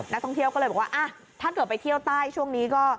นักท่องเที่ยวก็เลยบอกว่าถ้าเกิดไปเที่ยวใต้ช่วงนี้ก็